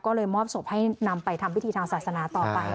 ก็เลยมอบศพให้นำไปทำพิธีทางศาสนาต่อไป